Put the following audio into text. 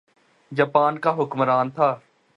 Japan کا حکمران تھا۔